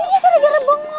iya gara gara bengong